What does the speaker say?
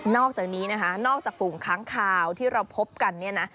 อกจากนี้นะคะนอกจากฝูงค้างคาวที่เราพบกันเนี่ยนะ